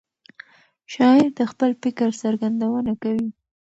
شاعر د خپل فکر څرګندونه کوي.